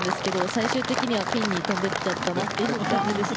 最終的にはピンに飛んで行っちゃったなという感じで。